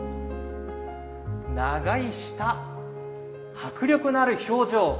長い舌迫力のある表情。